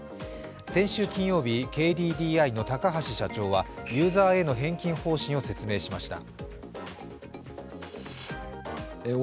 先週金曜日、ＫＤＤＩの高橋社長はユーザーへの返金方針を説明しました。